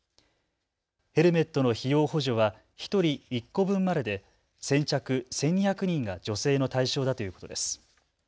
ヘルメットの費用補助は１人１個分までで先着１２００人が助成の対象だということです。